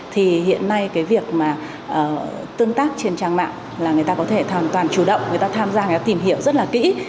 thì hiện nay cái việc mà tương tác trên trang mạng là người ta có thể hoàn toàn chủ động người ta tham gia người ta tìm hiểu rất là kỹ